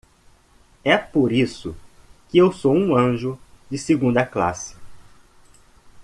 É por isso que eu sou um anjo de segunda classe.